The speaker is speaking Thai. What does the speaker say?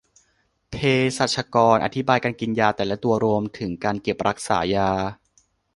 เภสัชกรอธิบายการกินยาแต่ละตัว รวมถึงการเก็บรักษายา